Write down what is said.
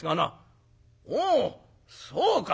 「おおそうか！